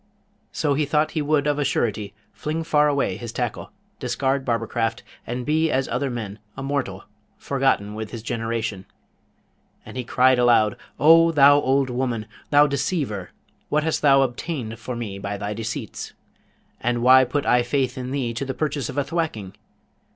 So he thought he would of a surety fling far away his tackle, discard barbercraft, and be as other men, a mortal, forgotten with his generation. And he cried aloud, 'O thou old woman! thou deceiver! what halt thou obtained for me by thy deceits? and why put I faith in thee to the purchase of a thwacking?